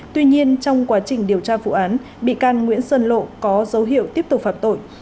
tuy nhiên trong quá trình điều tra vụ án bị can nguyễn sơn lộ có dấu hiệu tiếp tục phạm tội